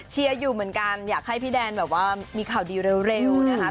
อยู่เหมือนกันอยากให้พี่แดนแบบว่ามีข่าวดีเร็วนะคะ